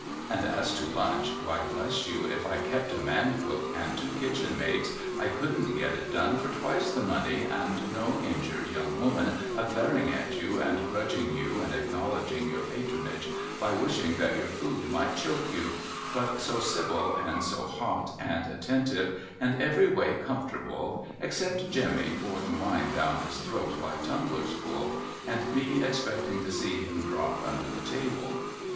And as to lunch why bless you if I kept a man cook and two kitchen maids I couldn't get it done for twice the money, and no injured young woman a glaring at you and grudging you and acknowledging your patronage by wishing that your food might choke you, but so civil and so hot and attentive and every way com fortable except Jemmy pouring wine down his throat by tumblers full and me expecting to see him drop under the table.